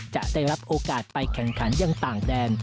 จะได้รับโอกาสไปแข่งขันยังต่างแดน